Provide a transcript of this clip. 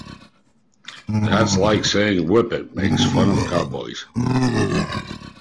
That's like saying "Whip It" makes fun of cowboys.